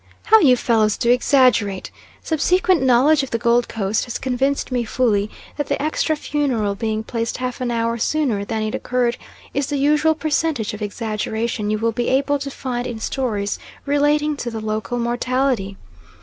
"How you fellows DO exaggerate!" Subsequent knowledge of the Gold Coast has convinced me fully that the extra funeral being placed half an hour sooner than it occurred is the usual percentage of exaggeration you will be able to find in stories relating to the local mortality.